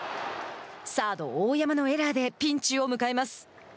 サード大山のエラーでピンチを迎えます。